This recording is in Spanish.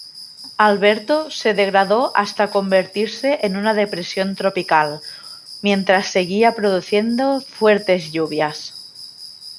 Alberto se degradó hasta convertirse en una depresión tropical, mientras seguía produciendo fuertes lluvias.